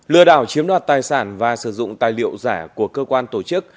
lừa đảo chiếm đoạt tài sản và sử dụng tài liệu giả của cơ quan tổ chức